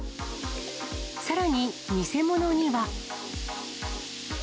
さらに、偽物には。